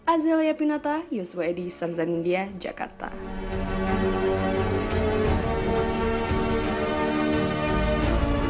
azalea pinata yusuf edy serzan india jalan jalan men